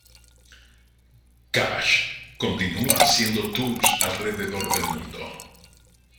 Cash continúa haciendo tours alrededor del mundo.